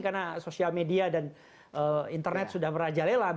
karena sosial media dan internet sudah merajalela